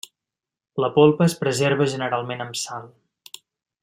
La polpa es preserva generalment amb sal.